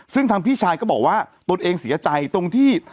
ซึ่งทางพี่ชายก็บอกว่าตนเองเสียใจตรงที่